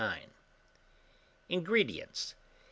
INGREDIENTS.